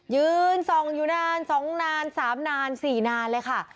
ยืนสองอยู่นานสองนานสามนานสี่นานเลยค่ะ